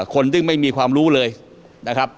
คนที่ไม่มีความรู้เลยนะครับ